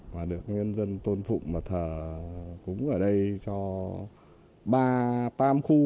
và được nhân dân tôn phụng và thờ cúng ở đây cho ba khu